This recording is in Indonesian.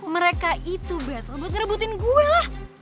mereka itu battle buat ngerebutin gue lah